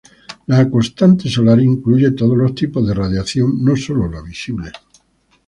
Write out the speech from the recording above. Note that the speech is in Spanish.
La constante solar incluye todos los tipos de radiación, no sólo la visible.